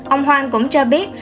ông hoan cũng cho biết